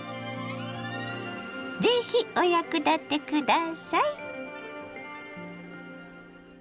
是非お役立て下さい。